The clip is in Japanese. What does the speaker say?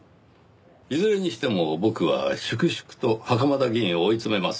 いずれにしても僕は粛々と袴田議員を追い詰めます。